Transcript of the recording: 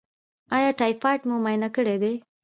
ایا ټایفایډ مو معاینه کړی دی؟